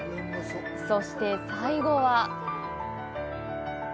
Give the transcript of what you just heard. そして、最後は。